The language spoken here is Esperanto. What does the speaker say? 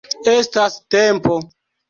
Estas tempo!